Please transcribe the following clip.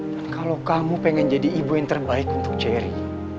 dan kalau kamu pengen jadi ibu yang terbaik untuk cherry